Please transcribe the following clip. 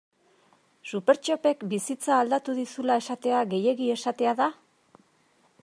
Supertxopek bizitza aldatu dizula esatea gehiegi esatea da?